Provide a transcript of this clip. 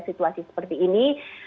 situasi seperti ini